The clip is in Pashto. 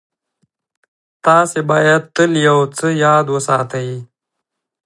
تاسې بايد تل يو څه ياد وساتئ.